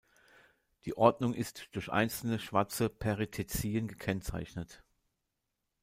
Die Ordnung ist durch einzelne, schwarze Perithecien gekennzeichnet.